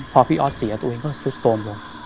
พอพี่ออสเสียตัวเองก็สุดโทรมลง